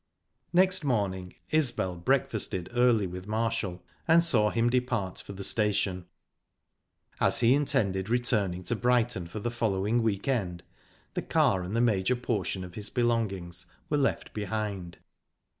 Next morning Isbel breakfasted early with Marshall, and saw him depart for the station. As he intended returning to Brighton for the following week end, the car and the major portion of his belongings were left behind.